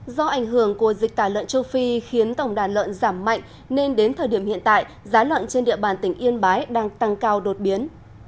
do ảnh hưởng của dịch tả lợn châu phi khiến tổng đàn lợn giảm mạnh nên đến thời điểm hiện tại giá lợn trên địa bàn tỉnh yên bái đang tăng cao đột biến